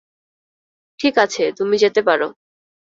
ঠিক আছে, তুমি যেতে পারো।